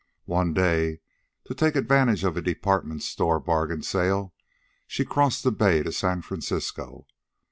One day, to take advantage of a department store bargain sale, she crossed the bay to San Francisco.